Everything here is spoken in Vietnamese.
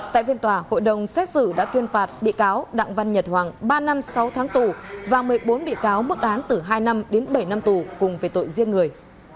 tại phiên tòa hội đồng xét xử đã tuyên phạt bị cáo đặng văn nhật hoàng ba năm sáu tháng tù và một mươi bốn bị cáo mức án từ hai năm đến bảy năm tù cùng về tội giết người